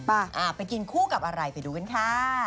ไปกินคู่กับอะไรไปดูกันค่ะ